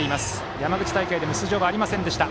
山口大会でも出場はありませんでした。